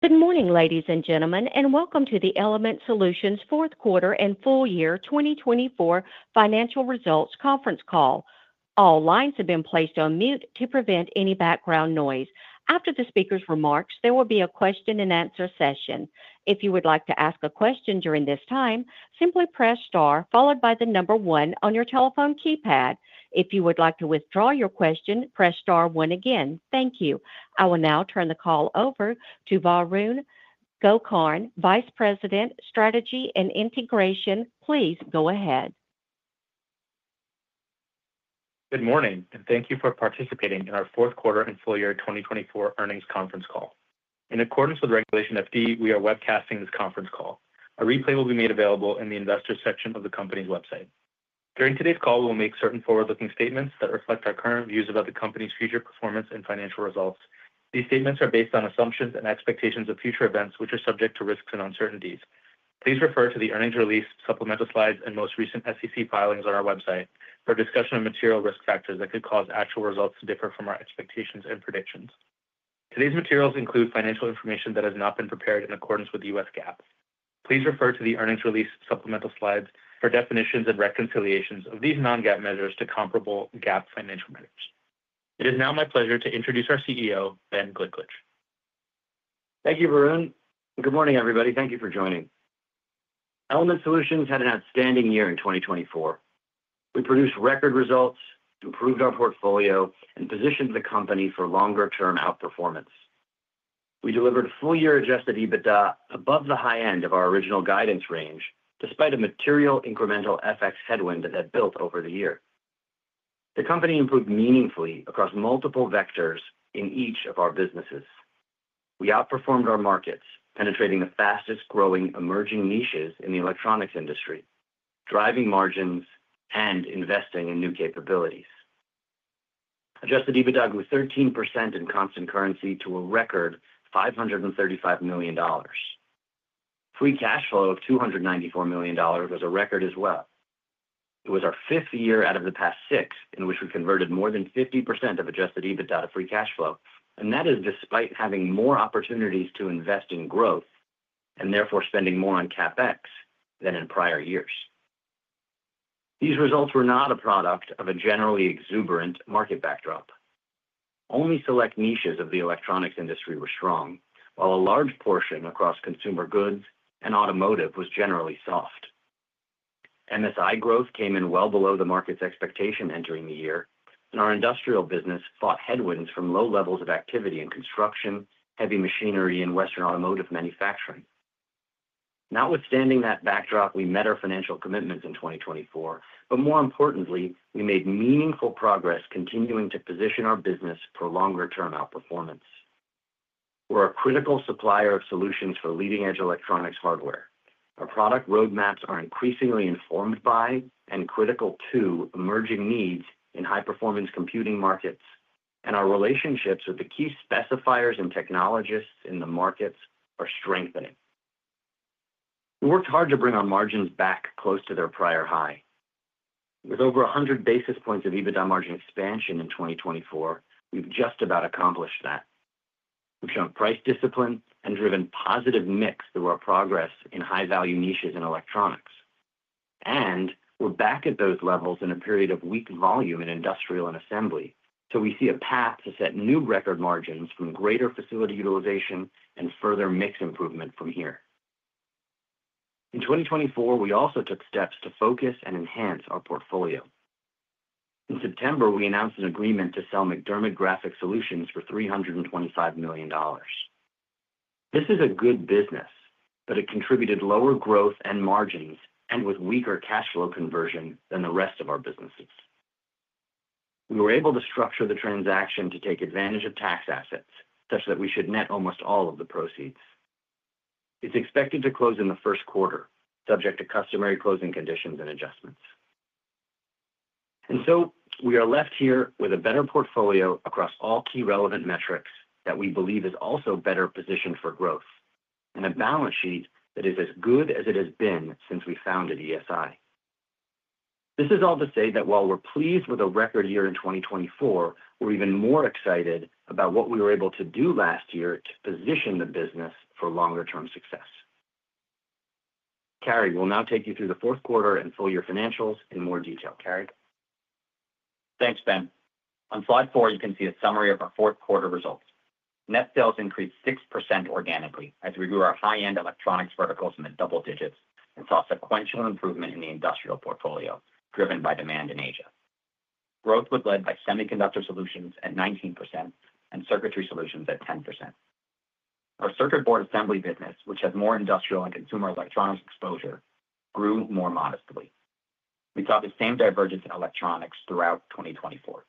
Good morning, ladies and gentlemen, and welcome to the Element Solutions fourth quarter and full year 2024 financial results conference call. All lines have been placed on mute to prevent any background noise. After the speaker's remarks, there will be a question-and-answer session. If you would like to ask a question during this time, simply press star followed by the number one on your telephone keypad. If you would like to withdraw your question, press star one again. Thank you. I will now turn the call over to Varun Gokarn, Vice President, Strategy and Integration. Please go ahead. Good morning, and thank you for participating in our fourth quarter and full year 2024 earnings conference call. In accordance with Regulation FD, we are webcasting this conference call. A replay will be made available in the investor section of the company's website. During today's call, we will make certain forward-looking statements that reflect our current views about the company's future performance and financial results. These statements are based on assumptions and expectations of future events, which are subject to risks and uncertainties. Please refer to the earnings release, supplemental slides, and most recent SEC filings on our website for discussion of material risk factors that could cause actual results to differ from our expectations and predictions. Today's materials include financial information that has not been prepared in accordance with U.S. GAAP. Please refer to the earnings release, supplemental slides for definitions and reconciliations of these non-GAAP measures to comparable GAAP financial measures. It is now my pleasure to introduce our CEO, Ben Gliklich. Thank you, Varun. Good morning, everybody. Thank you for joining. Element Solutions had an outstanding year in 2024. We produced record results, improved our portfolio, and positioned the company for longer-term outperformance. We delivered full-year Adjusted EBITDA above the high end of our original guidance range, despite a material incremental FX headwind that had built over the year. The company improved meaningfully across multiple vectors in each of our businesses. We outperformed our markets, penetrating the fastest-growing emerging niches in the electronics industry, driving margins, and investing in new capabilities. Adjusted EBITDA grew 13% in constant currency to a record $535 million. Free cash flow of $294 million was a record as well. It was our fifth year out of the past six in which we converted more than 50% of Adjusted EBITDA to free cash flow, and that is despite having more opportunities to invest in growth and therefore spending more on CapEx than in prior years. These results were not a product of a generally exuberant market backdrop. Only select niches of the electronics industry were strong, while a large portion across consumer goods and automotive was generally soft. MSI growth came in well below the market's expectation entering the year, and our industrial business fought headwinds from low levels of activity in construction, heavy machinery, and Western automotive manufacturing. Notwithstanding that backdrop, we met our financial commitments in 2024, but more importantly, we made meaningful progress continuing to position our business for longer-term outperformance. We're a critical supplier of solutions for leading-edge electronics hardware. Our product roadmaps are increasingly informed by and critical to emerging needs in high-performance computing markets, and our relationships with the key specifiers and technologists in the markets are strengthening. We worked hard to bring our margins back close to their prior high. With over 100 basis points of EBITDA margin expansion in 2024, we've just about accomplished that. We've shown price discipline and driven positive mix through our progress in high-value niches in electronics, and we're back at those levels in a period of weak volume in industrial and assembly, so we see a path to set new record margins from greater facility utilization and further mix improvement from here. In 2024, we also took steps to focus and enhance our portfolio. In September, we announced an agreement to sell MacDermid Graphics Solutions for $325 million. This is a good business, but it contributed lower growth and margins and with weaker cash flow conversion than the rest of our businesses. We were able to structure the transaction to take advantage of tax assets such that we should net almost all of the proceeds. It's expected to close in the first quarter, subject to customary closing conditions and adjustments, and so we are left here with a better portfolio across all key relevant metrics that we believe is also better positioned for growth and a balance sheet that is as good as it has been since we founded ESI. This is all to say that while we're pleased with a record year in 2024, we're even more excited about what we were able to do last year to position the business for longer-term success. Carey, we'll now take you through the fourth quarter and full year financials in more detail. Carey? Thanks, Ben. On slide four, you can see a summary of our fourth quarter results. Net sales increased 6% organically as we grew our high-end electronics verticals in the double digits and saw sequential improvement in the industrial portfolio driven by demand in Asia. Growth was led by Semiconductor Solutions at 19% and Circuitry Solutions at 10%. Our circuit board assembly business, which has more industrial and consumer electronics exposure, grew more modestly. We saw the same divergence in electronics throughout 2024.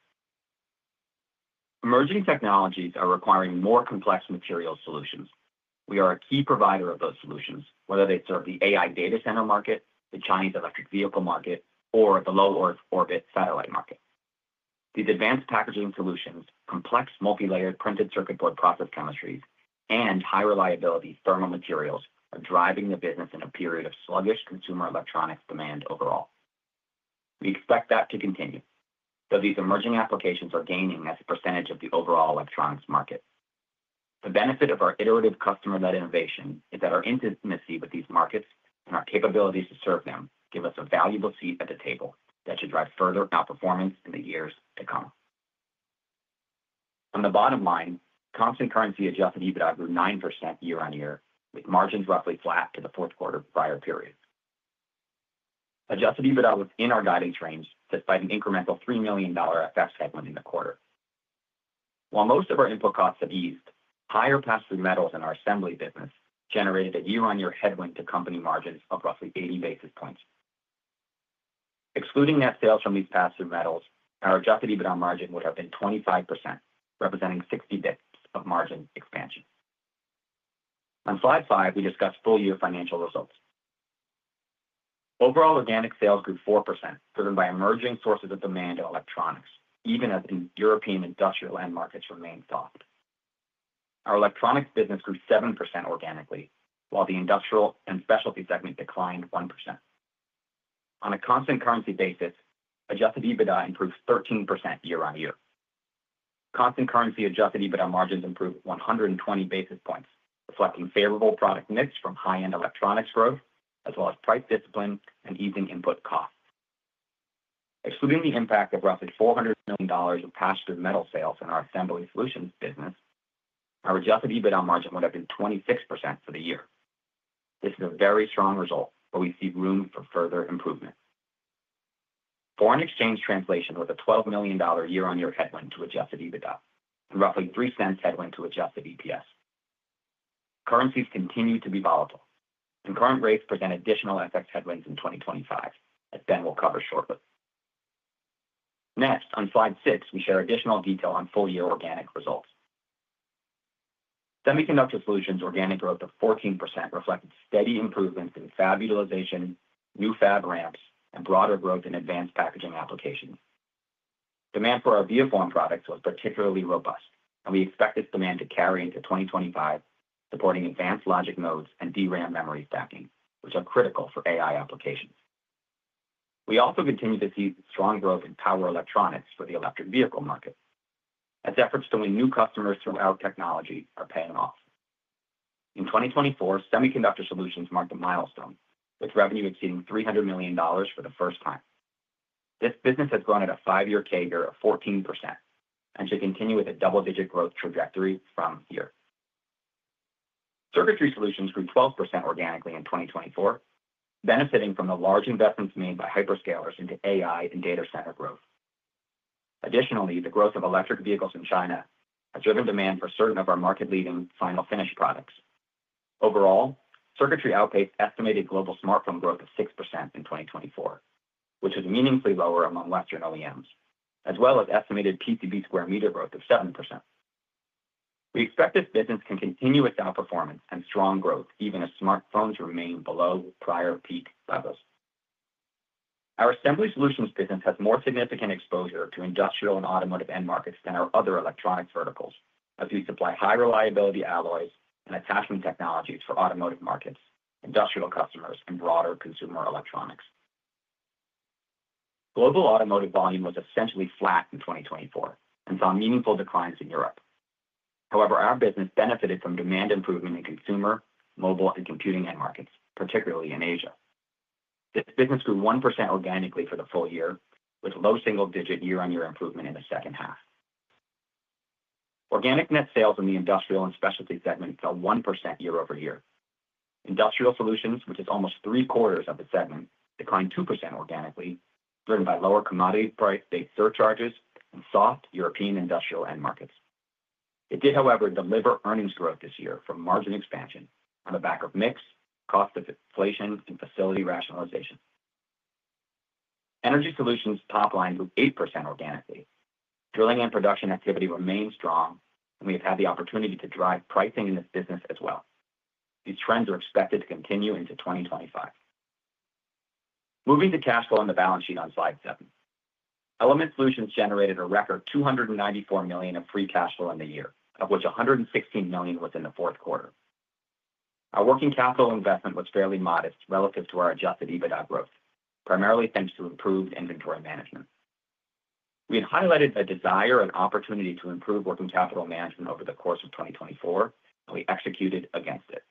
Emerging technologies are requiring more complex material solutions. We are a key provider of those solutions, whether they serve the AI data center market, the Chinese electric vehicle market, or the Low Earth Orbit satellite market. These advanced packaging solutions, complex multi-layered printed circuit board process chemistries, and high reliability thermal materials are driving the business in a period of sluggish consumer electronics demand overall. We expect that to continue, though these emerging applications are gaining as a percentage of the overall electronics market. The benefit of our iterative customer-led innovation is that our intimacy with these markets and our capabilities to serve them give us a valuable seat at the table that should drive further outperformance in the years to come. On the bottom line, constant currency adjusted EBITDA grew 9% year-on-year, with margins roughly flat to the fourth quarter prior period. Adjusted EBITDA was in our guidance range despite an incremental $3 million FX headwind in the quarter. While most of our input costs have eased, higher pass-through metals in our assembly business generated a year-on-year headwind to company margins of roughly 80 basis points. Excluding net sales from these pass-through metals, our adjusted EBITDA margin would have been 25%, representing 60 basis points of margin expansion. On slide five, we discussed full year financial results. Overall organic sales grew 4%, driven by emerging sources of demand in electronics, even as European industrial end markets remained soft. Our electronics business grew 7% organically, while the industrial and specialty segment declined 1%. On a constant currency basis, adjusted EBITDA improved 13% year-on-year. Constant currency adjusted EBITDA margins improved 120 basis points, reflecting favorable product mix from high-end electronics growth, as well as price discipline and easing input costs. Excluding the impact of roughly $400 million of pass-through metal sales in our Assembly Solutions business, our adjusted EBITDA margin would have been 26% for the year. This is a very strong result, but we see room for further improvement. Foreign exchange translation was a $12 million year-on-year headwind to adjusted EBITDA and roughly $0.03 headwind to adjusted EPS. Currencies continue to be volatile, and current rates present additional FX headwinds in 2025, as Ben will cover shortly. Next, on slide six, we share additional detail on full year organic results. Semiconductor Solutions organic growth of 14% reflected steady improvements in fab utilization, new fab ramps, and broader growth in advanced packaging applications. Demand for our ViaForm products was particularly robust, and we expect this demand to carry into 2025, supporting advanced logic nodes and DRAM memory stacking, which are critical for AI applications. We also continue to see strong growth in power electronics for the electric vehicle market, as efforts to win new customers through our technology are paying off. In 2024, Semiconductor Solutions marked a milestone, with revenue exceeding $300 million for the first time. This business has grown at a five-year CAGR of 14% and should continue with a double-digit growth trajectory from here. Circuitry Solutions grew 12% organically in 2024, benefiting from the large investments made by hyperscalers into AI and data center growth. Additionally, the growth of electric vehicles in China has driven demand for certain of our market-leading final finish products. Overall, circuitry outpaced estimated global smartphone growth of 6% in 2024, which was meaningfully lower among Western OEMs, as well as estimated PCB square meter growth of 7%. We expect this business can continue its outperformance and strong growth even as smartphones remain below prior peak levels. Our Assembly Solutions business has more significant exposure to industrial and automotive end markets than our other electronics verticals, as we supply high-reliability alloys and attachment technologies for automotive markets, industrial customers, and broader consumer electronics. Global automotive volume was essentially flat in 2024 and saw meaningful declines in Europe. However, our business benefited from demand improvement in consumer, mobile, and computing end markets, particularly in Asia. This business grew 1% organically for the full year, with low single-digit year-on-year improvement in the second half. Organic net sales in the Industrial and Specialty segment fell 1% year-over-year. Industrial Solutions, which is almost three-quarters of the segment, declined 2% organically, driven by lower commodity price-based surcharges and soft European industrial end markets. It did, however, deliver earnings growth this year from margin expansion on the back of mix, cost deflation, and facility rationalization. Energy Solutions top-line grew 8% organically. Drilling and production activity remained strong, and we have had the opportunity to drive pricing in this business as well. These trends are expected to continue into 2025. Moving to cash flow on the balance sheet on slide seven, Element Solutions generated a record $294 million of free cash flow in the year, of which $116 million was in the fourth quarter. Our working capital investment was fairly modest relative to our adjusted EBITDA growth, primarily thanks to improved inventory management. We had highlighted a desire and opportunity to improve working capital management over the course of 2024, and we executed against it.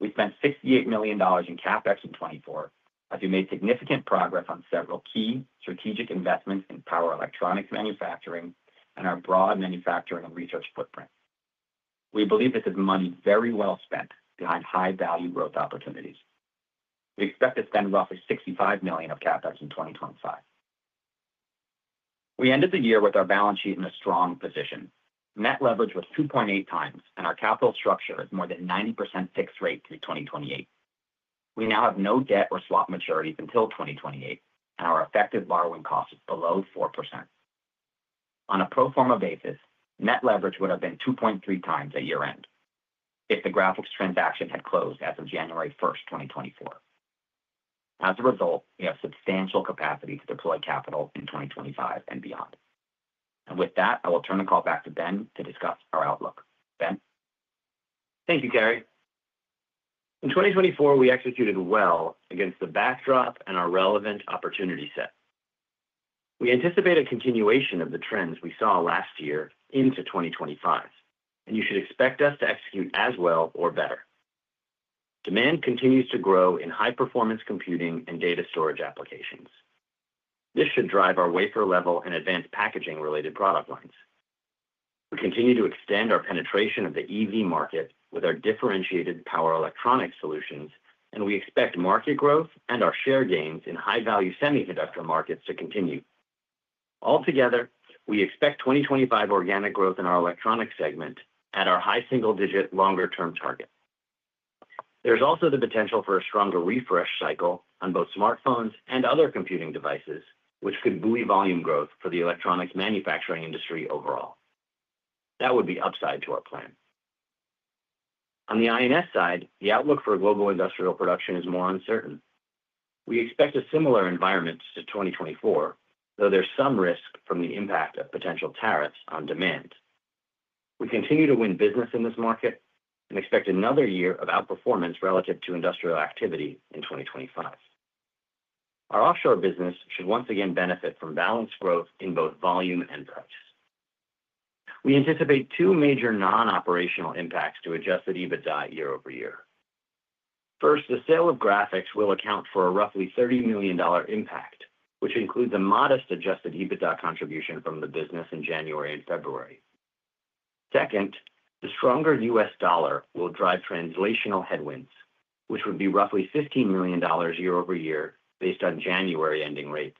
We spent $68 million in CapEx in 2024, as we made significant progress on several key strategic investments in power electronics manufacturing and our broad manufacturing and research footprint. We believe this is money very well spent behind high-value growth opportunities. We expect to spend roughly $65 million of CapEx in 2025. We ended the year with our balance sheet in a strong position. Net leverage was 2.8x, and our capital structure is more than 90% fixed rate through 2028. We now have no debt or swap maturities until 2028, and our effective borrowing cost is below 4%. On a pro forma basis, net leverage would have been 2.3x at year-end if the Graphics transaction had closed as of January 1st, 2024. As a result, we have substantial capacity to deploy capital in 2025 and beyond. And with that, I will turn the call back to Ben to discuss our outlook. Ben. Thank you, Carey. In 2024, we executed well against the backdrop and our relevant opportunity set. We anticipate a continuation of the trends we saw last year into 2025, and you should expect us to execute as well or better. Demand continues to grow in high-performance computing and data storage applications. This should drive our wafer-level and advanced packaging-related product lines. We continue to extend our penetration of the EV market with our differentiated power electronics solutions, and we expect market growth and our share gains in high-value semiconductor markets to continue. Altogether, we expect 2025 organic growth in our electronics segment at our high single-digit longer-term target. There's also the potential for a stronger refresh cycle on both smartphones and other computing devices, which could buoy volume growth for the electronics manufacturing industry overall. That would be upside to our plan. On the I&S side, the outlook for global industrial production is more uncertain. We expect a similar environment to 2024, though there's some risk from the impact of potential tariffs on demand. We continue to win business in this market and expect another year of outperformance relative to industrial activity in 2025. Our offshore business should once again benefit from balanced growth in both volume and price. We anticipate two major non-operational impacts to Adjusted EBITDA year-over-year. First, the sale of Graphics will account for a roughly $30 million impact, which includes a modest Adjusted EBITDA contribution from the business in January and February. Second, the stronger U.S. dollar will drive translational headwinds, which would be roughly $15 million year-over-year based on January ending rates.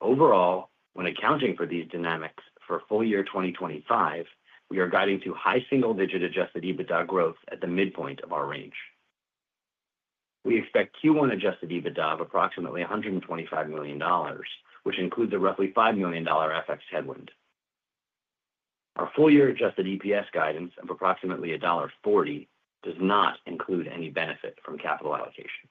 Overall, when accounting for these dynamics for full year 2025, we are guiding to high single-digit Adjusted EBITDA growth at the midpoint of our range. We expect Q1 Adjusted EBITDA of approximately $125 million, which includes a roughly $5 million FX headwind. Our full year Adjusted EPS guidance of approximately $1.40 does not include any benefit from capital allocation.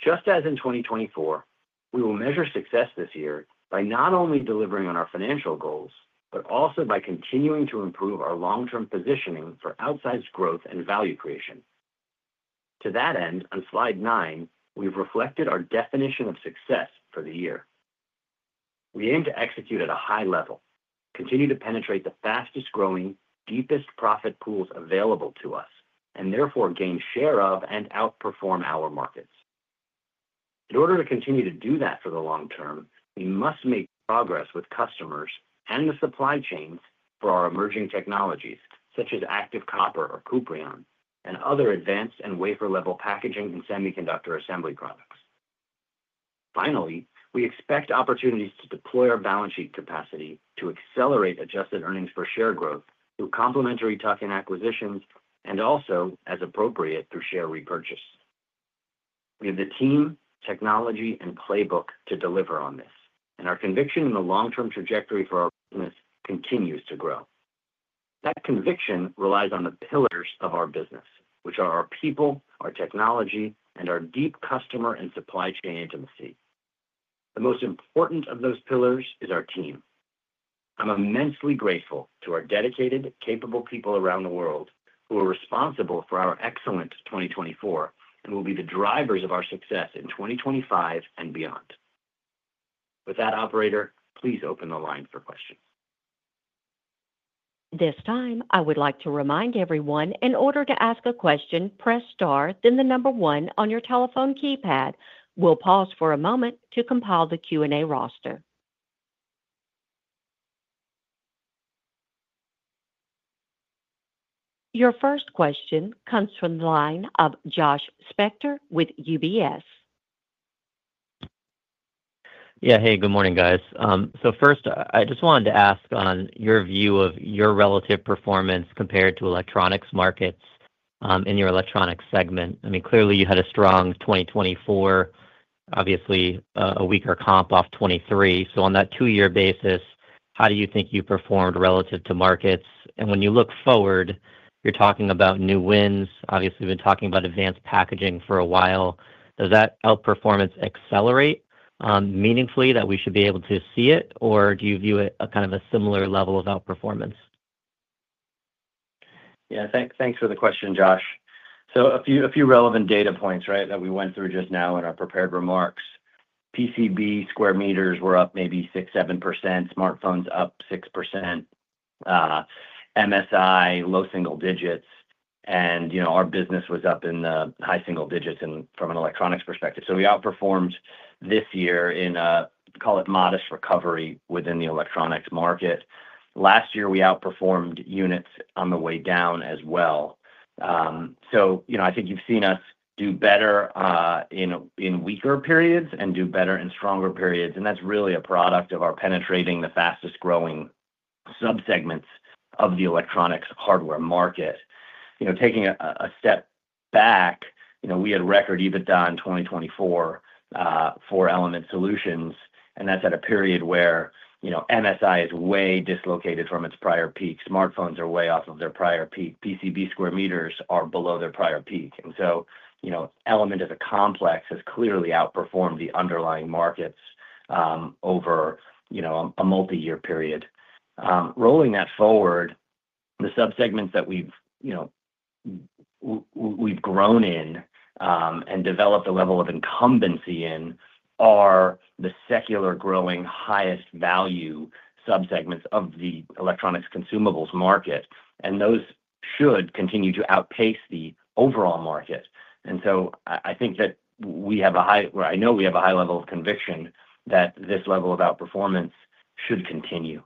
Just as in 2024, we will measure success this year by not only delivering on our financial goals, but also by continuing to improve our long-term positioning for outsized growth and value creation. To that end, on slide nine, we've reflected our definition of success for the year. We aim to execute at a high level, continue to penetrate the fastest growing, deepest profit pools available to us, and therefore gain share of and outperform our markets. In order to continue to do that for the long term, we must make progress with customers and the supply chains for our emerging technologies, such as ActiveCopper or Kuprion, and other advanced and wafer-level packaging and semiconductor assembly products. Finally, we expect opportunities to deploy our balance sheet capacity to accelerate adjusted earnings per share growth through complementary tuck-in acquisitions and also, as appropriate, through share repurchase. We have the team, technology, and playbook to deliver on this, and our conviction in the long-term trajectory for our business continues to grow. That conviction relies on the pillars of our business, which are our people, our technology, and our deep customer and supply chain intimacy. The most important of those pillars is our team. I'm immensely grateful to our dedicated, capable people around the world who are responsible for our excellent 2024 and will be the drivers of our success in 2025 and beyond. With that, Operator, please open the line for questions. This time, I would like to remind everyone in order to ask a question, press star, then the number one on your telephone keypad. We'll pause for a moment to compile the Q&A roster. Your first question comes from the line of Josh Spector with UBS. Yeah, hey, good morning, guys. So first, I just wanted to ask on your view of your relative performance compared to electronics markets in your electronics segment. I mean, clearly, you had a strong 2024, obviously a weaker comp off 2023. So on that two-year basis, how do you think you performed relative to markets? And when you look forward, you're talking about new wins. Obviously, we've been talking about advanced packaging for a while. Does that outperformance accelerate meaningfully that we should be able to see it, or do you view it at kind of a similar level of outperformance? Yeah, thanks for the question, Josh. So a few relevant data points, right, that we went through just now in our prepared remarks. PCB square meters were up maybe 6-7%, smartphones up 6%, MSI low single digits, and our business was up in the high single digits from an electronics perspective. So we outperformed this year in a, call it, modest recovery within the electronics market. Last year, we outperformed units on the way down as well. So I think you've seen us do better in weaker periods and do better in stronger periods. And that's really a product of our penetrating the fastest growing subsegments of the electronics hardware market. Taking a step back, we had record EBITDA in 2024 for Element Solutions, and that's at a period where MSI is way dislocated from its prior peak. Smartphones are way off of their prior peak. PCB square meters are below their prior peak. And so Element as a complex has clearly outperformed the underlying markets over a multi-year period. Rolling that forward, the subsegments that we've grown in and developed a level of incumbency in are the secular growing highest value subsegments of the electronics consumables market, and those should continue to outpace the overall market. And so I think that we have a high, or I know we have a high level of conviction that this level of outperformance should continue.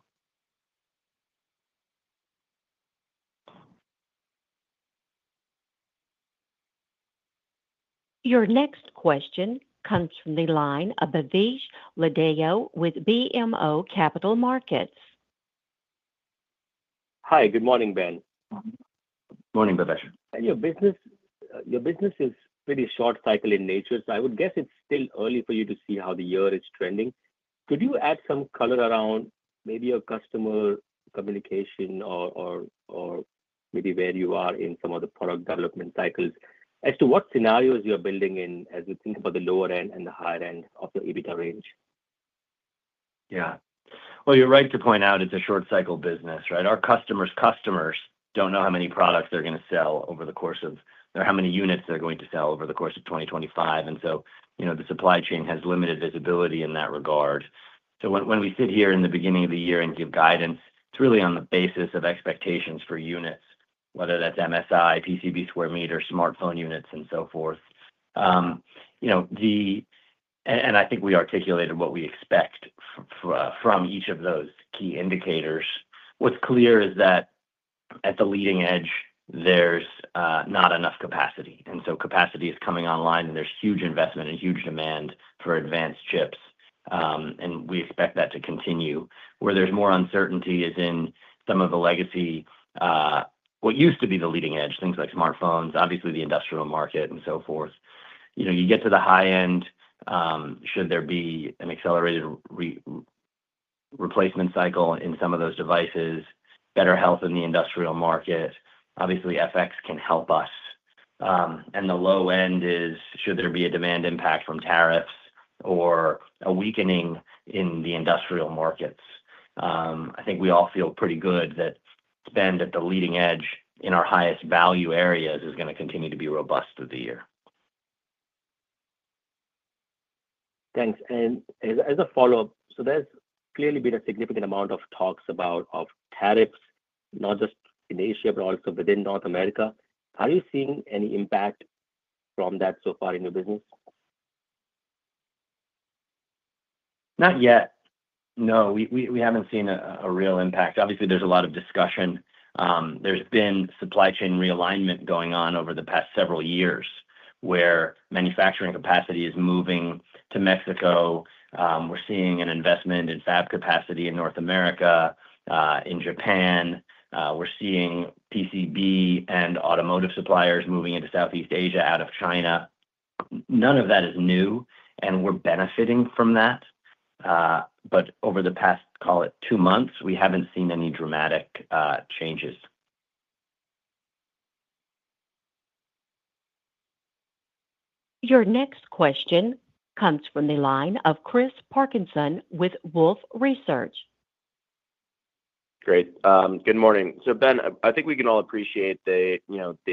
Your next question comes from the line of Bhavesh Lodaya with BMO Capital Markets. Hi, good morning, Ben. Morning, Bhavesh. And your business is pretty short-cycle in nature, so I would guess it's still early for you to see how the year is trending. Could you add some color around maybe your customer communication or maybe where you are in some of the product development cycles as to what scenarios you're building in as we think about the lower end and the higher end of the EBITDA range? Yeah. Well, you're right to point out it's a short-cycle business, right? Our customers' customers don't know how many products they're going to sell over the course of, or how many units they're going to sell over the course of 2025. And so the supply chain has limited visibility in that regard. So when we sit here in the beginning of the year and give guidance, it's really on the basis of expectations for units, whether that's MSI, PCB square meter, smartphone units, and so forth. And I think we articulated what we expect from each of those key indicators. What's clear is that at the leading edge, there's not enough capacity. And so capacity is coming online, and there's huge investment and huge demand for advanced chips, and we expect that to continue. Where there's more uncertainty is in some of the legacy, what used to be the leading edge, things like smartphones, obviously the industrial market, and so forth. You get to the high end. Should there be an accelerated replacement cycle in some of those devices, better health in the industrial market, obviously FX can help us. The low end is, should there be a demand impact from tariffs or a weakening in the industrial markets? I think we all feel pretty good that spend at the leading edge in our highest value areas is going to continue to be robust through the year. Thanks. And as a follow-up, so there's clearly been a significant amount of talks about tariffs, not just in Asia, but also within North America. Are you seeing any impact from that so far in your business? Not yet. No, we haven't seen a real impact. Obviously, there's a lot of discussion. There's been supply chain realignment going on over the past several years where manufacturing capacity is moving to Mexico. We're seeing an investment in fab capacity in North America, in Japan. We're seeing PCB and automotive suppliers moving into Southeast Asia out of China. None of that is new, and we're benefiting from that. But over the past, call it, two months, we haven't seen any dramatic changes. Your next question comes from the line of Chris Parkinson with Wolfe Research. Great. Good morning. So Ben, I think we can all appreciate the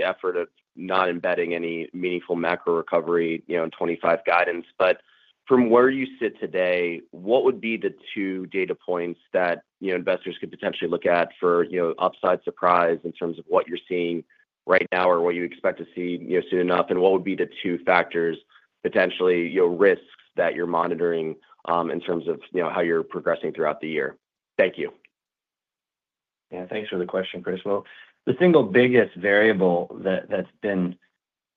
effort of not embedding any meaningful macro recovery in 2025 guidance. But from where you sit today, what would be the two data points that investors could potentially look at for upside surprise in terms of what you're seeing right now or what you expect to see soon enough? And what would be the two factors, potentially risks that you're monitoring in terms of how you're progressing throughout the year? Thank you. Yeah, thanks for the question, Chris. The single biggest variable that's been,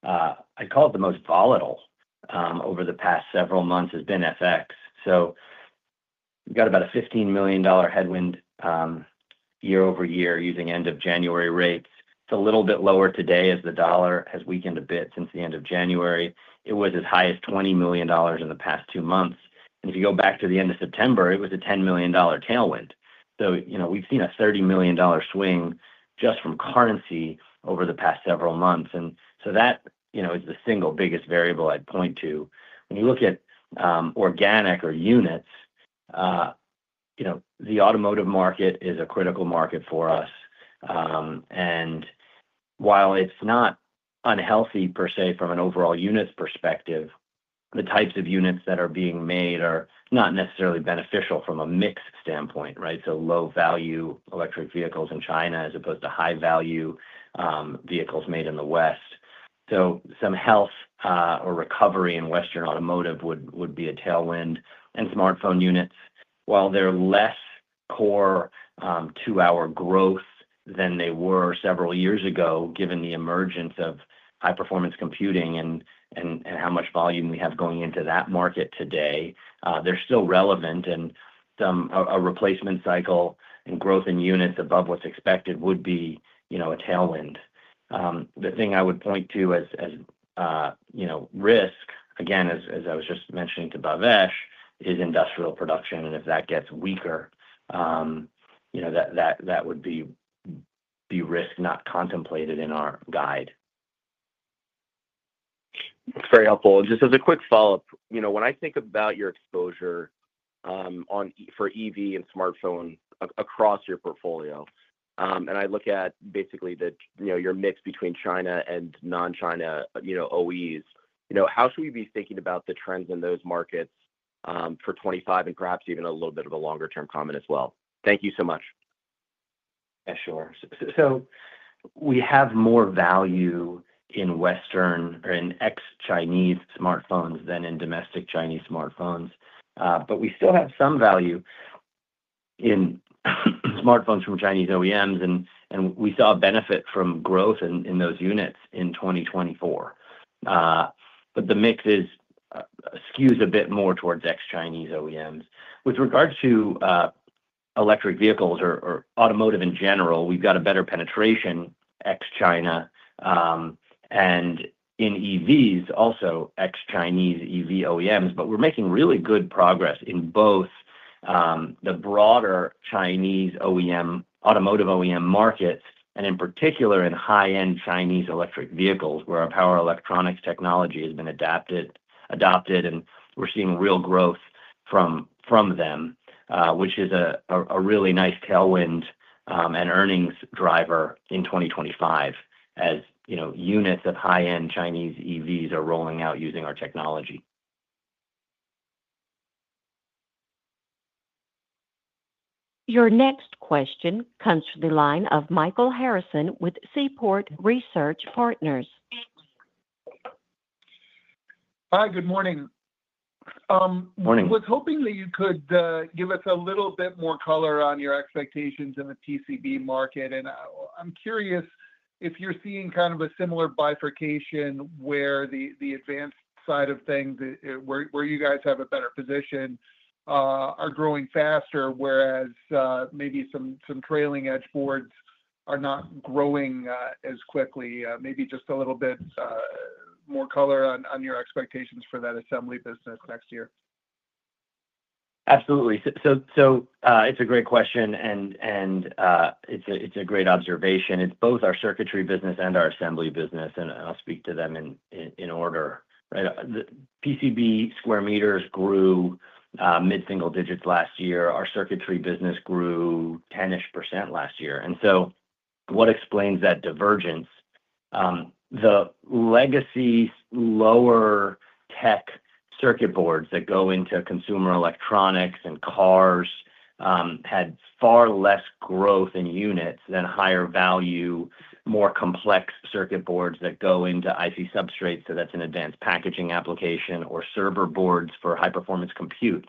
I'd call it the most volatile over the past several months has been FX. We've got about a $15 million headwind year-over-year using end-of-January rates. It's a little bit lower today as the dollar has weakened a bit since the end of January. It was as high as $20 million in the past two months. If you go back to the end of September, it was a $10 million tailwind. We've seen a $30 million swing just from currency over the past several months. That is the single biggest variable I'd point to. When you look at organic or units, the automotive market is a critical market for us. While it's not unhealthy per se from an overall units perspective, the types of units that are being made are not necessarily beneficial from a mix standpoint, right? So low-value electric vehicles in China as opposed to high-value vehicles made in the West. So some health or recovery in Western automotive would be a tailwind. And smartphone units, while they're less core to our growth than they were several years ago, given the emergence of high-performance computing and how much volume we have going into that market today, they're still relevant. And a replacement cycle and growth in units above what's expected would be a tailwind. The thing I would point to as risk, again, as I was just mentioning to Bhavesh, is industrial production. And if that gets weaker, that would be risk not contemplated in our guide. That's very helpful, and just as a quick follow-up, when I think about your exposure for EV and smartphone across your portfolio, and I look at basically your mix between China and non-China OEMs, how should we be thinking about the trends in those markets for 2025 and perhaps even a little bit of a longer-term comment as well? Thank you so much. Yeah, sure. We have more value in Western or in ex-Chinese smartphones than in domestic Chinese smartphones. But we still have some value in smartphones from Chinese OEMs, and we saw a benefit from growth in those units in 2024. But the mix skews a bit more towards ex-Chinese OEMs. With regards to electric vehicles or automotive in general, we've got a better penetration ex-China and in EVs, also ex-Chinese EV OEMs. But we're making really good progress in both the broader Chinese automotive OEM markets and in particular in high-end Chinese electric vehicles where our power electronics technology has been adapted. We're seeing real growth from them, which is a really nice tailwind and earnings driver in 2025 as units of high-end Chinese EVs are rolling out using our technology. Your next question comes from the line of Michael Harrison with Seaport Research Partners. Hi, good morning. Morning. I was hoping that you could give us a little bit more color on your expectations in the PCB market, and I'm curious if you're seeing kind of a similar bifurcation where the advanced side of things, where you guys have a better position, are growing faster, whereas maybe some trailing edge boards are not growing as quickly. Maybe just a little bit more color on your expectations for that assembly business next year. Absolutely. So it's a great question, and it's a great observation. It's both our circuitry business and our assembly business, and I'll speak to them in order. PCB square meters grew mid-single digits last year. Our circuitry business grew 10% last year. And so what explains that divergence? The legacy lower-tech circuit boards that go into consumer electronics and cars had far less growth in units than higher-value, more complex circuit boards that go into IC substrates. So that's an advanced packaging application or server boards for high-performance compute.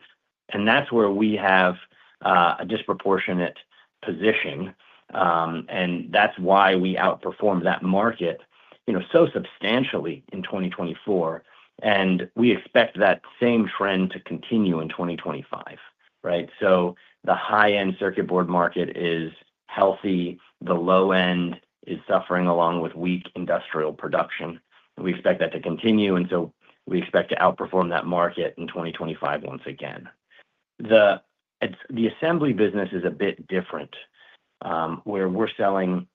And that's where we have a disproportionate position. And that's why we outperformed that market so substantially in 2024. And we expect that same trend to continue in 2025, right? So the high-end circuit board market is healthy. The low-end is suffering along with weak industrial production. We expect that to continue. And so we expect to outperform that market in 2025 once again. The assembly business is a bit different where we're selling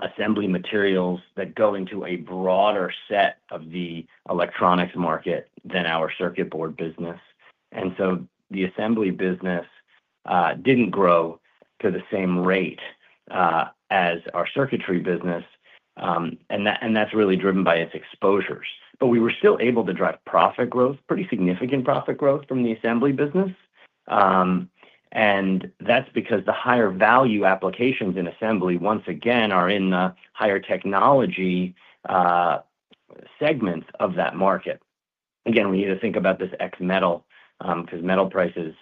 assembly materials that go into a broader set of the electronics market than our circuitry business. And so the assembly business didn't grow to the same rate as our circuitry business. And that's really driven by its exposures. But we were still able to drive profit growth, pretty significant profit growth from the assembly business. And that's because the higher-value applications in assembly, once again, are in the higher technology segments of that market. Again, we need to think about this ex-metal because metal prices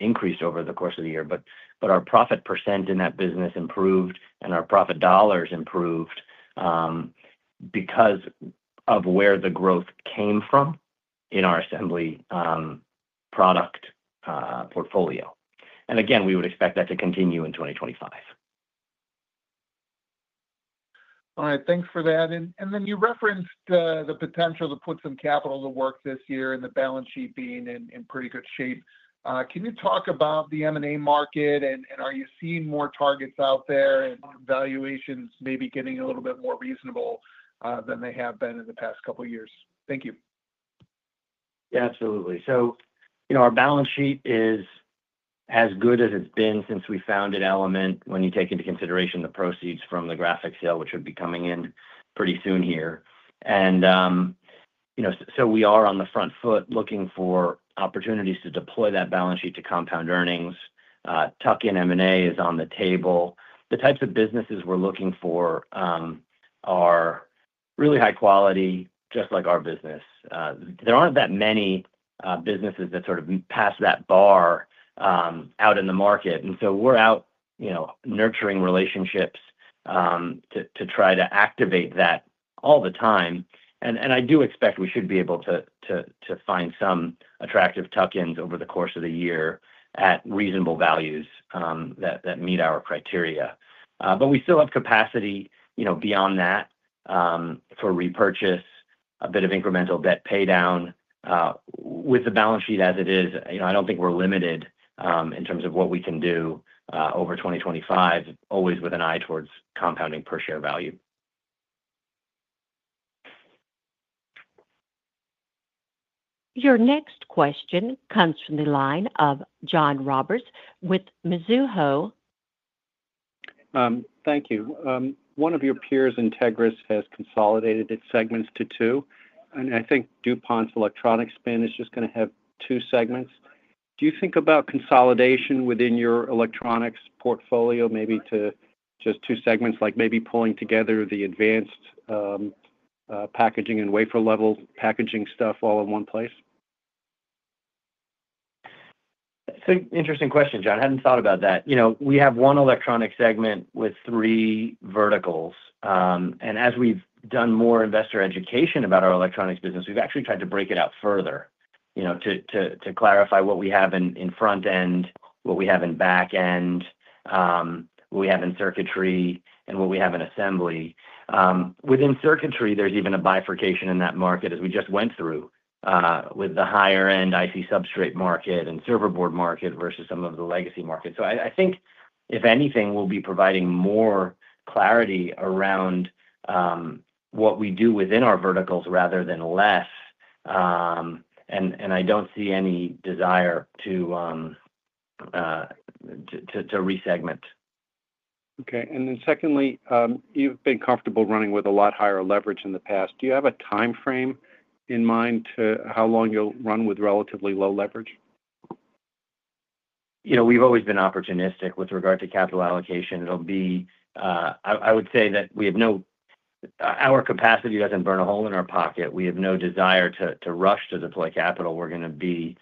increased over the course of the year. But our profit percent in that business improved, and our profit dollars improved because of where the growth came from in our assembly product portfolio. And again, we would expect that to continue in 2025. All right. Thanks for that. And then you referenced the potential to put some capital to work this year and the balance sheet being in pretty good shape. Can you talk about the M&A market, and are you seeing more targets out there and valuations maybe getting a little bit more reasonable than they have been in the past couple of years? Thank you. Yeah, absolutely. Our balance sheet is as good as it's been since we founded Element when you take into consideration the proceeds from the Graphics sale, which would be coming in pretty soon here. We are on the front foot looking for opportunities to deploy that balance sheet to compound earnings. Tuck-in M&A is on the table. The types of businesses we're looking for are really high quality, just like our business. There aren't that many businesses that sort of pass that bar out in the market. We are out nurturing relationships to try to activate that all the time. I do expect we should be able to find some attractive tuck-ins over the course of the year at reasonable values that meet our criteria. We still have capacity beyond that for repurchase, a bit of incremental debt paydown. With the balance sheet as it is, I don't think we're limited in terms of what we can do over 2025, always with an eye towards compounding per share value. Your next question comes from the line of John Roberts with Mizuho. Thank you. One of your peers, Entegris, has consolidated its segments to two. And I think DuPont's electronics spin is just going to have two segments. Do you think about consolidation within your electronics portfolio maybe to just two segments, like maybe pulling together the advanced packaging and wafer-level packaging stuff all in one place? It's an interesting question, John. I hadn't thought about that. We have one electronics segment with three verticals. And as we've done more investor education about our electronics business, we've actually tried to break it out further to clarify what we have in front-end, what we have in back-end, what we have in circuitry, and what we have in assembly. Within circuitry, there's even a bifurcation in that market, as we just went through, with the higher-end IC substrates market and server board market versus some of the legacy markets. So I think, if anything, we'll be providing more clarity around what we do within our verticals rather than less. And I don't see any desire to resegment. Okay. And then secondly, you've been comfortable running with a lot higher leverage in the past. Do you have a time frame in mind to how long you'll run with relatively low leverage? We've always been opportunistic with regard to capital allocation. I would say that our capacity doesn't burn a hole in our pocket. We have no desire to rush to deploy capital. We're going to be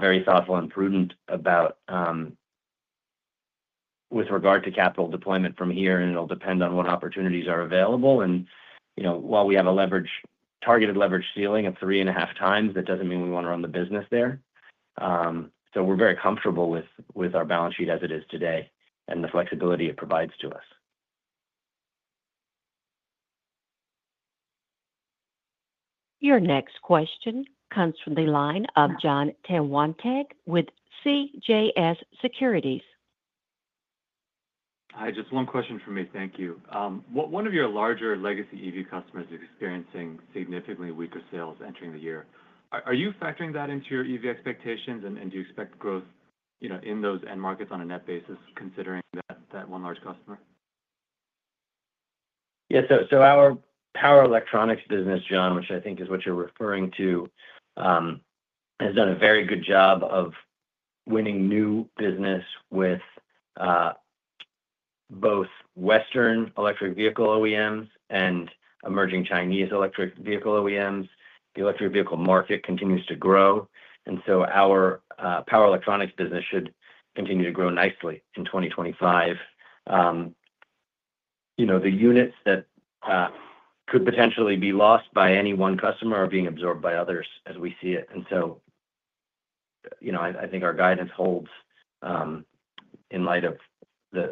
very thoughtful and prudent with regard to capital deployment from here, and it'll depend on what opportunities are available, and while we have a targeted leverage ceiling of 3.5x, that doesn't mean we want to run the business there, so we're very comfortable with our balance sheet as it is today and the flexibility it provides to us. Your next question comes from the line of Jon Tanwanteng with CJS Securities. Hi, just one question from me. Thank you. One of your larger legacy EV customers is experiencing significantly weaker sales entering the year. Are you factoring that into your EV expectations, and do you expect growth in those end markets on a net basis considering that one large customer? Yeah. So our power electronics business, Jon, which I think is what you're referring to, has done a very good job of winning new business with both Western electric vehicle OEMs and emerging Chinese electric vehicle OEMs. The electric vehicle market continues to grow. And so our power electronics business should continue to grow nicely in 2025. The units that could potentially be lost by any one customer are being absorbed by others as we see it. And so I think our guidance holds in light of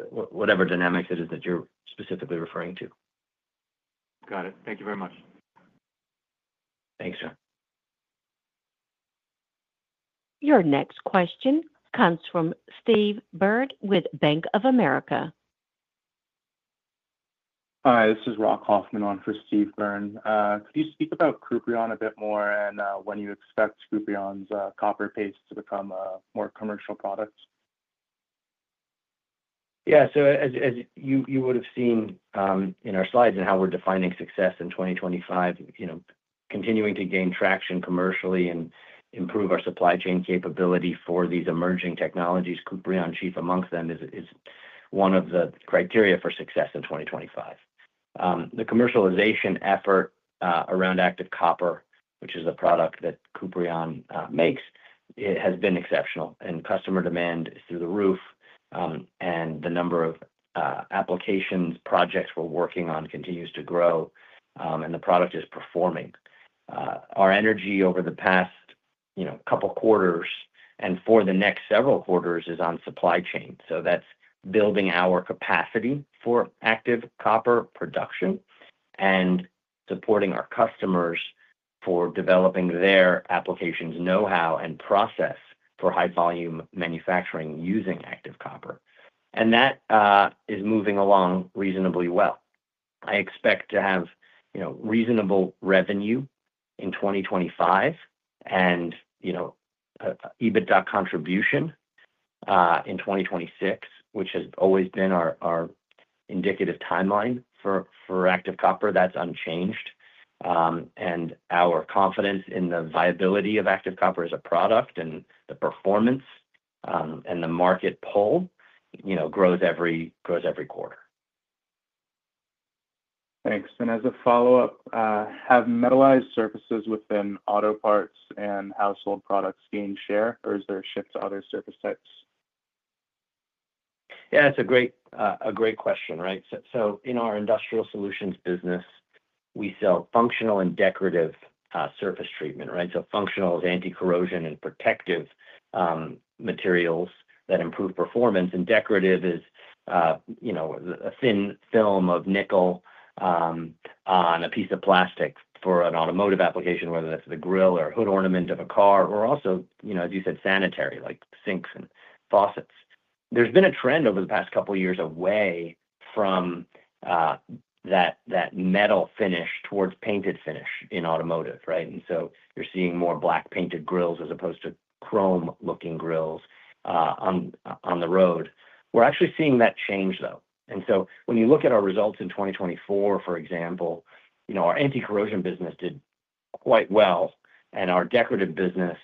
whatever dynamics it is that you're specifically referring to. Got it. Thank you very much. Thanks, Jon. Your next question comes from Steve Byrne with Bank of America. Hi, this is Rock Hoffman on for Steve Byrne. Could you speak about Kuprion a bit more and when you expect Kuprion's copper paste to become a more commercial product? Yeah. So as you would have seen in our slides and how we're defining success in 2025, continuing to gain traction commercially and improve our supply chain capability for these emerging technologies, Kuprion chief amongst them, is one of the criteria for success in 2025. The commercialization effort around ActiveCopper, which is a product that Kuprion makes, has been exceptional. And customer demand is through the roof, and the number of applications, projects we're working on continues to grow, and the product is performing. Our energy over the past couple of quarters and for the next several quarters is on supply chain. So that's building our capacity for ActiveCopper production and supporting our customers for developing their applications, know-how, and process for high-volume manufacturing using ActiveCopper. And that is moving along reasonably well. I expect to have reasonable revenue in 2025 and EBITDA contribution in 2026, which has always been our indicative timeline for ActiveCopper. That's unchanged, and our confidence in the viability of ActiveCopper as a product and the performance and the market pull grows every quarter. Thanks. And as a follow-up, have metallized surfaces within auto parts and household products gained share, or is there a shift to other surface types? Yeah, that's a great question, right? So in our Industrial Solutions business, we sell functional and decorative surface treatment, right? So functional is anti-corrosion and protective materials that improve performance. And decorative is a thin film of nickel on a piece of plastic for an automotive application, whether that's the grille or hood ornament of a car, or also, as you said, sanitary like sinks and faucets. There's been a trend over the past couple of years away from that metal finish towards painted finish in automotive, right? And so you're seeing more black painted grilles as opposed to chrome-looking grilles on the road. We're actually seeing that change, though. And so when you look at our results in 2024, for example, our anti-corrosion business did quite well, and our decorative business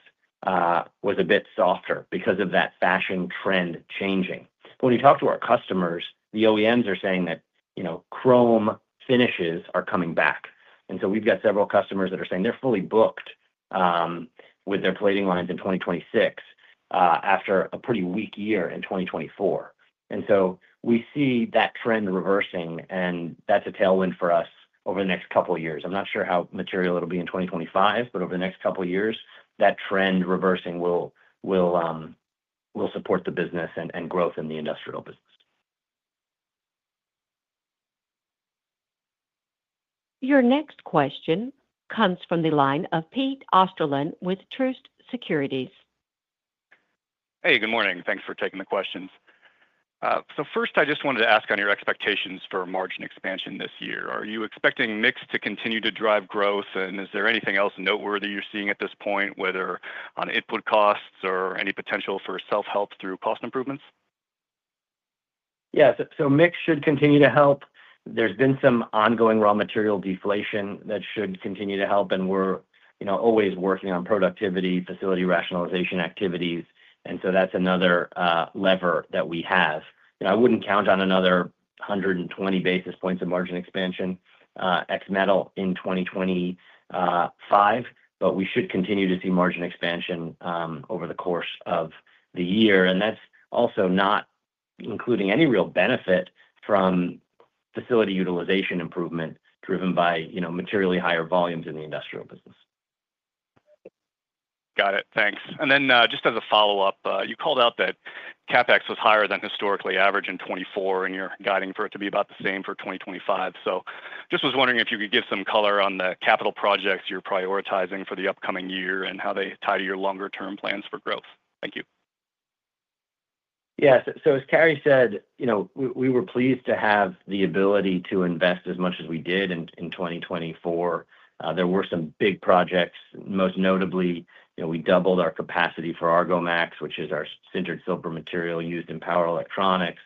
was a bit softer because of that fashion trend changing. But when you talk to our customers, the OEMs are saying that chrome finishes are coming back. And so we've got several customers that are saying they're fully booked with their plating lines in 2026 after a pretty weak year in 2024. And so we see that trend reversing, and that's a tailwind for us over the next couple of years. I'm not sure how material it'll be in 2025, but over the next couple of years, that trend reversing will support the business and growth in the industrial business. Your next question comes from the line of Pete Osterlund with Truist Securities. Hey, good morning. Thanks for taking the questions. So first, I just wanted to ask on your expectations for margin expansion this year. Are you expecting mix to continue to drive growth, and is there anything else noteworthy you're seeing at this point, whether on input costs or any potential for self-help through cost improvements? Yeah. So mix should continue to help. There's been some ongoing raw material deflation that should continue to help, and we're always working on productivity, facility rationalization activities. And so that's another lever that we have. I wouldn't count on another 120 basis points of margin expansion ex-metal in 2025, but we should continue to see margin expansion over the course of the year. And that's also not including any real benefit from facility utilization improvement driven by materially higher volumes in the industrial business. Got it. Thanks. And then just as a follow-up, you called out that CapEx was higher than historically average in 2024, and you're guiding for it to be about the same for 2025. So just was wondering if you could give some color on the capital projects you're prioritizing for the upcoming year and how they tie to your longer-term plans for growth. Thank you. Yeah. So as Carey said, we were pleased to have the ability to invest as much as we did in 2024. There were some big projects. Most notably, we doubled our capacity for Argomax, which is our sintered silver material used in power electronics.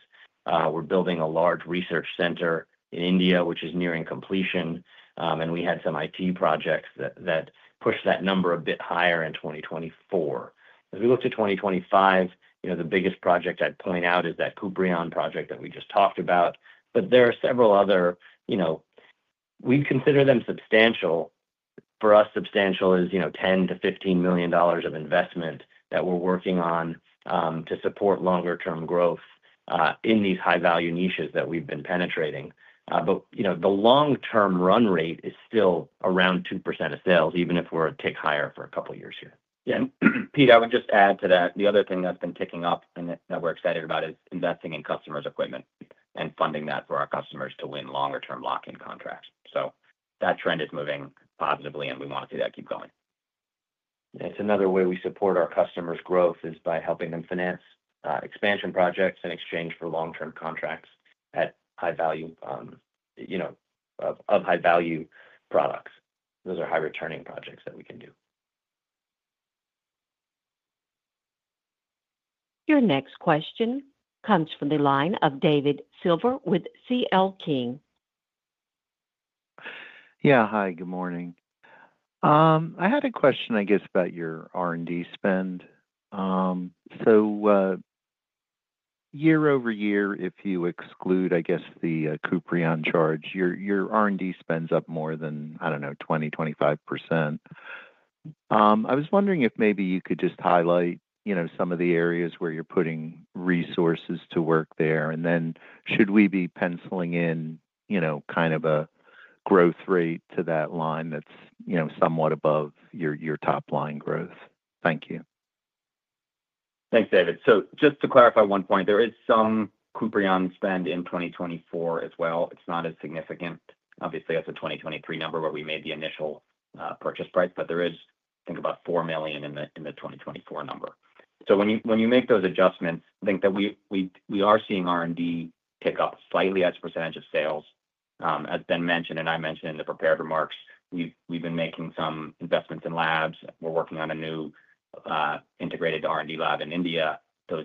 We're building a large research center in India, which is nearing completion. And we had some IT projects that pushed that number a bit higher in 2024. As we look to 2025, the biggest project I'd point out is that Kuprion project that we just talked about. But there are several other we consider them substantial. For us, substantial is $10million-$15 million of investment that we're working on to support longer-term growth in these high-value niches that we've been penetrating. But the long-term run rate is still around 2% of sales, even if we're a tick higher for a couple of years here. Yeah. Pete, I would just add to that. The other thing that's been ticking up and that we're excited about is investing in customers' equipment and funding that for our customers to win longer-term lock-in contracts. So that trend is moving positively, and we want to see that keep going. Yeah. It's another way we support our customers' growth is by helping them finance expansion projects in exchange for long-term contracts at high value of high-value products. Those are high-returning projects that we can do. Your next question comes from the line of David Silver with CL King. Yeah. Hi, good morning. I had a question, I guess, about your R&D spend. So year-over-year, if you exclude, I guess, the Kuprion charge, your R&D spend's up more than, I don't know, 20%-25%. I was wondering if maybe you could just highlight some of the areas where you're putting resources to work there. And then should we be penciling in kind of a growth rate to that line that's somewhat above your top line growth? Thank you. Thanks, David. So just to clarify one point, there is some Kuprion spend in 2024 as well. It's not as significant, obviously, as the 2023 number where we made the initial purchase price, but there is, I think, about $4 million in the 2024 number. So when you make those adjustments, I think that we are seeing R&D pick up slightly as a percentage of sales. As Ben mentioned, and I mentioned in the prepared remarks, we've been making some investments in labs. We're working on a new integrated R&D lab in India. There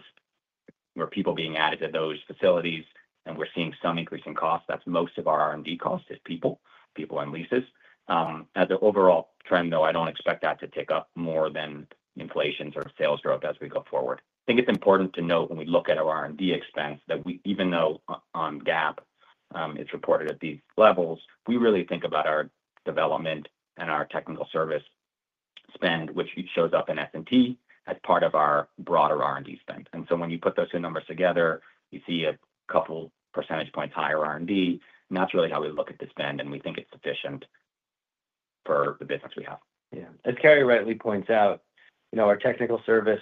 were people being added to those facilities, and we're seeing some increase in cost. That's most of our R&D cost is people, people and leases. As an overall trend, though, I don't expect that to tick up more than inflation or sales growth as we go forward. I think it's important to note when we look at our R&D expense that even though on GAAP it's reported at these levels, we really think about our development and our technical service spend, which shows up in S&T as part of our broader R&D spend. And so when you put those two numbers together, you see a couple percentage points higher R&D. And that's really how we look at the spend, and we think it's sufficient for the business we have. Yeah. As Carey rightly points out, our technical service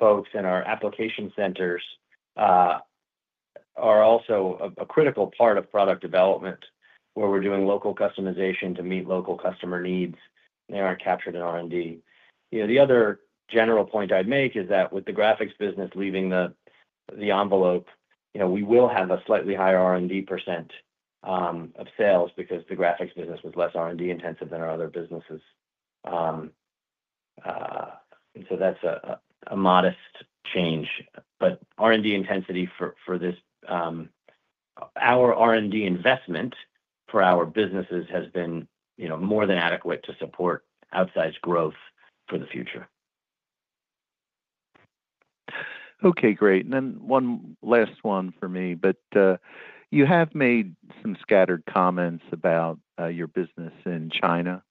folks and our application centers are also a critical part of product development where we're doing local customization to meet local customer needs. They aren't captured in R&D. The other general point I'd make is that with the Graphics business leaving the portfolio, we will have a slightly higher R&D % of sales because the Graphics business was less R&D intensive than our other businesses, and so that's a modest change, but R&D intensity for our R&D investment for our businesses has been more than adequate to support outsized growth for the future. Okay. Great. And then one last one for me. But you have made some scattered comments about your business in China.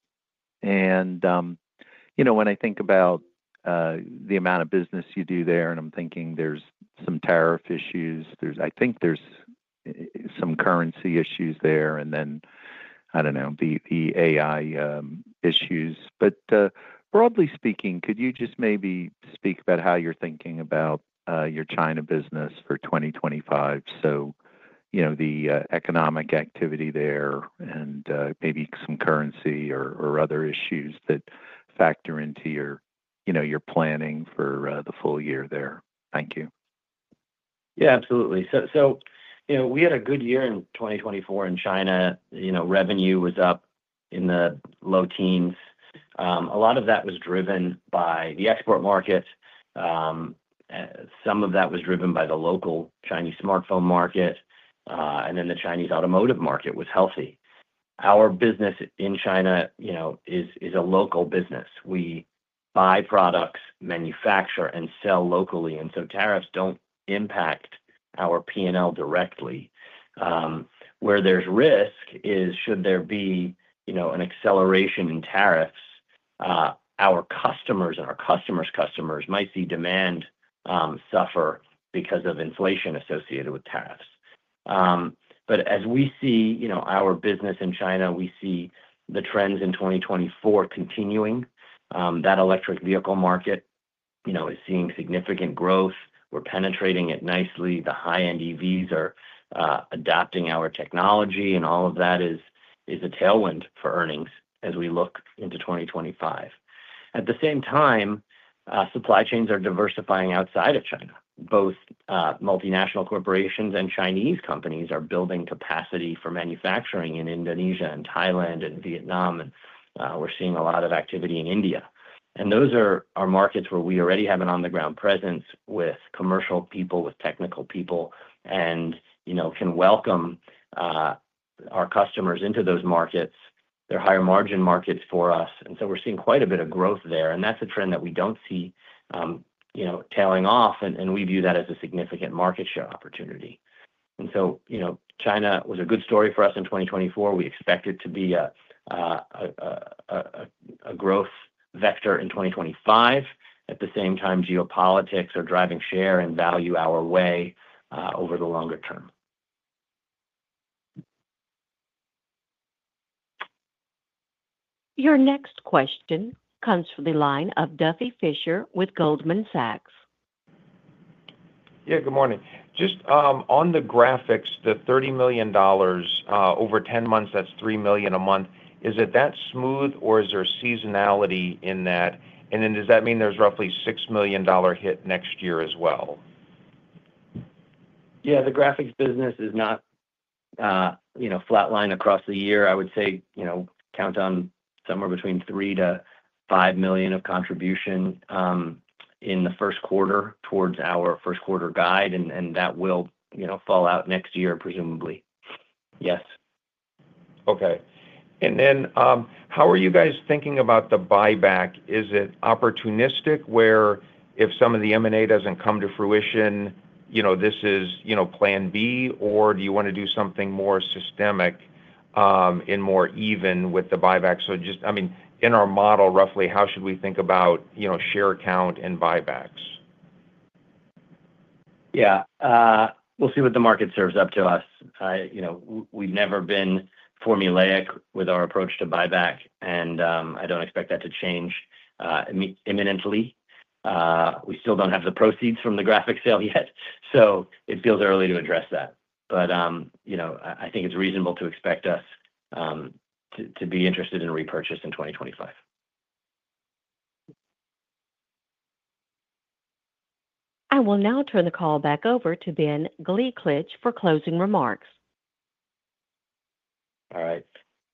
And when I think about the amount of business you do there, and I'm thinking there's some tariff issues. I think there's some currency issues there, and then, I don't know, the AI issues. But broadly speaking, could you just maybe speak about how you're thinking about your China business for 2025? So the economic activity there and maybe some currency or other issues that factor into your planning for the full year there. Thank you. Yeah, absolutely. So we had a good year in 2024 in China. Revenue was up in the low teens. A lot of that was driven by the export market. Some of that was driven by the local Chinese smartphone market. And then the Chinese automotive market was healthy. Our business in China is a local business. We buy products, manufacture, and sell locally. And so tariffs don't impact our P&L directly. Where there's risk is should there be an acceleration in tariffs, our customers and our customers' customers might see demand suffer because of inflation associated with tariffs. But as we see our business in China, we see the trends in 2024 continuing. That electric vehicle market is seeing significant growth. We're penetrating it nicely. The high-end EVs are adapting our technology, and all of that is a tailwind for earnings as we look into 2025. At the same time, supply chains are diversifying outside of China. Both multinational corporations and Chinese companies are building capacity for manufacturing in Indonesia and Thailand and Vietnam. And we're seeing a lot of activity in India. And those are markets where we already have an on-the-ground presence with commercial people, with technical people, and can welcome our customers into those markets. They're higher margin markets for us. And so we're seeing quite a bit of growth there. And that's a trend that we don't see tailing off, and we view that as a significant market share opportunity. And so China was a good story for us in 2024. We expect it to be a growth vector in 2025. At the same time, geopolitics are driving share and value our way over the longer term. Your next question comes from the line of Duffy Fischer with Goldman Sachs. Yeah, good morning. Just on the Graphics, the $30 million over 10 months, that's $3 million a month. Is it that smooth, or is there seasonality in that, and then does that mean there's roughly $6 million hit next year as well? Yeah. The Graphics business is not flatlined across the year. I would say count on somewhere between $3 million-$5 million of contribution in the first quarter towards our first quarter guide, and that will fall out next year, presumably. Yes. Okay. And then how are you guys thinking about the buyback? Is it opportunistic where if some of the M&A doesn't come to fruition, this is plan B, or do you want to do something more systematic and more even with the buyback? So just, I mean, in our model, roughly, how should we think about share count and buybacks? Yeah. We'll see what the market serves up to us. We've never been formulaic with our approach to buyback, and I don't expect that to change imminently. We still don't have the proceeds from the Graphics sale yet, so it feels early to address that. But I think it's reasonable to expect us to be interested in repurchase in 2025. I will now turn the call back over to Ben Gliklich for closing remarks. All right.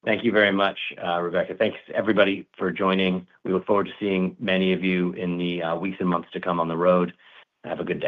Thank you very much, Rebecca. Thanks, everybody, for joining. We look forward to seeing many of you in the weeks and months to come on the road. Have a good day.